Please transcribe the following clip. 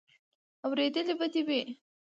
اورېدلې به دې وي.